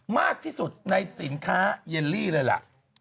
มากที่สุดในสินค้าเยลลี่เลยล่ะ